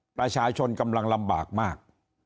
ประชาชนกำลังลำบากมาก